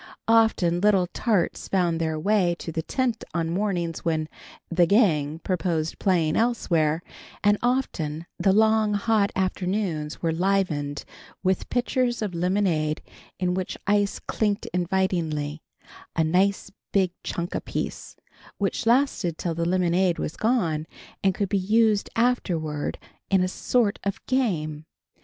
Often, little tarts found their way to the tent on mornings when "the gang" proposed playing elsewhere, and often the long hot afternoons were livened with pitchers of lemonade in which ice clinked invitingly; a nice big chunk apiece, which lasted till the lemonade was gone, and could be used afterward in a sort of game.